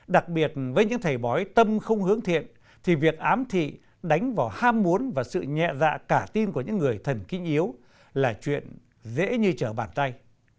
đặc biệt với những thầy bói tâm không hướng thiện thì việc ám thị đánh vào ham muốn và sự nhẹ dạ cả tin của những người thần kinh yếu là chuyện dễ như chở bàn tay